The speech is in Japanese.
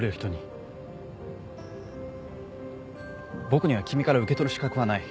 僕には君から受け取る資格はない。